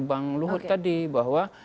bang luhut tadi bahwa